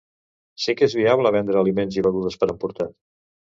Sí que és viable vendre aliments i begudes per a emportar.